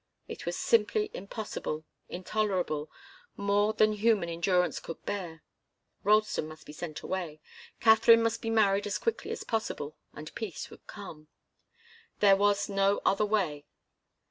It was simply impossible, intolerable, more than human endurance could bear. Ralston must be sent away, Katharine must be married as quickly as possible, and peace would come. There was no other way.